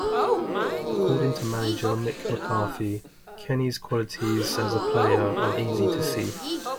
According to manager Mick McCarthy: Kenny's qualities as a player are easy to see.